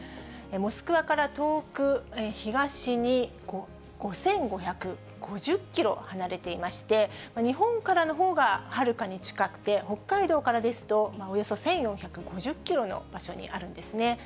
モスクワから遠く東に５５５０キロ離れていまして、日本からのほうが近くて、北海道からですと、およそ１４５０キロの場所にあるんですね。